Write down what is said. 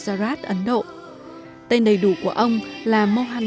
ngày ông ra đời ấn độ đang nằm dưới sự cai trị của thực dân anh